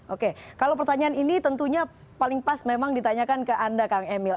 oke kalau pertanyaan ini tentunya paling pas memang ditanyakan ke anda kang emil